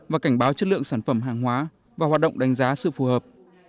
và cảnh báo chất lượng sản phẩm hàng hóa và hoạt động đánh giá sự phù hợp